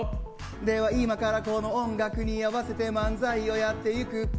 では今からこの音楽に合わせて漫才をやっていく。